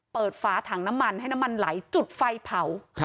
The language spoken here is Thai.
ฝาถังน้ำมันให้น้ำมันไหลจุดไฟเผา